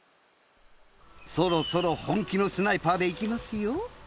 そろそろ本気のスナイパーで行きますよ。